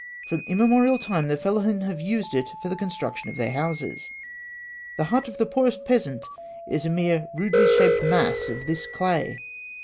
From immemorial time, the fellahin have used it for the construction of their houses. The hut of the poorest peasant is a mere rudely shaped mass of this clay.